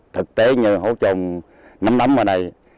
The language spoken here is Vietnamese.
thực tế như hố trôn nắm đấm ở đây